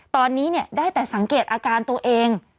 ตอนนี้ได้แต่สังเกตอาการตัวเอง